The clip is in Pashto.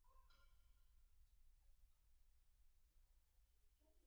پوهه اساس نه وټاکو.